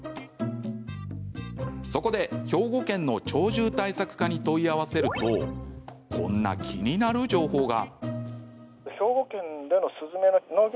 そこで兵庫県の鳥獣対策課に問い合わせるとこんな気になる情報が。